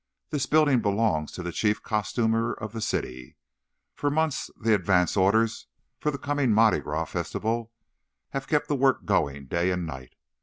This building belongs to the chief costumer of the city. For months the advance orders for the coming Mardi Gras festivals have kept the work going day and night.